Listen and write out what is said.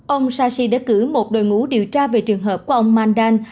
ông sashi đã cử một đội ngũ điều tra về trường hợp của ông mandan